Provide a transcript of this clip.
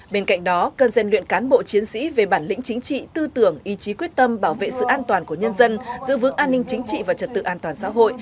bên cạnh đó cần rèn luyện cán bộ chiến sĩ về bản lĩnh chính trị tư tưởng ý chí quyết tâm bảo vệ sự an toàn của nhân dân giữ vững an ninh chính trị và trật tự an toàn xã hội